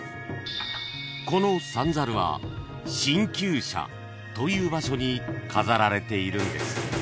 ［この三猿は神厩舎という場所に飾られているんです］